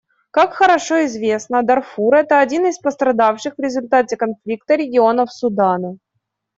Как хорошо известно, Дарфур — это один из пострадавших в результате конфликта регионов Судана.